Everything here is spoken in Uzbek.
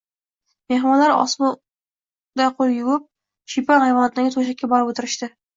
Mehmonlar osmako‘vada qo‘l yuvib, shiypon ayvonidagi to‘shakka borib o‘tirishdi